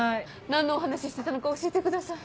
何のお話してたのか教えてください。